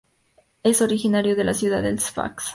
Es originario de la ciudad de Sfax.